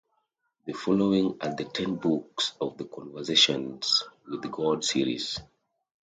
The following are the ten books in the Conversations With God series.